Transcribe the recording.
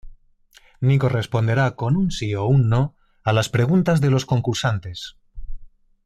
Nico responderá con un Si o un No a las preguntas de los concursantes.